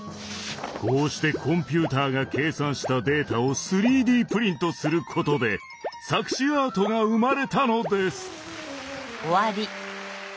こうしてコンピューターが計算したデータを３Ｄプリントすることで錯視アートが生まれたのです。